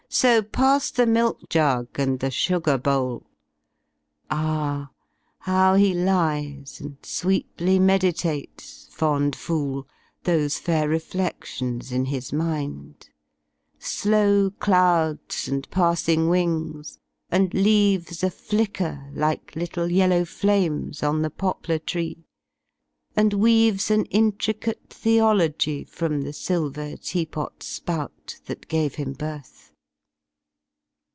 So pass the milk jug and the sugar bowl! Ah! how he lies and sweetly meditates. Fond fool, those fair refledions in his mind; Slow clouds and passing ivings and leaves a flicker. Like little yellow flames, on the poplar tree. And weaves an intricate theology From the silver tea pot spout, that gave him birth.